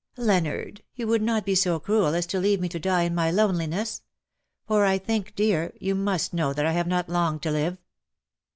" Leonard, you would not be so cruel as to leave me to die in my loneliness ; for I think, dear, you must know that I have not long t^ live.''